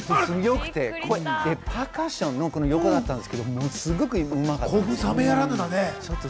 すごくよて、パーカッションの横だったんですけど、すごくよかった。